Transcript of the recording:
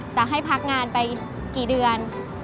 จะให้พักงานไปกี่เดือน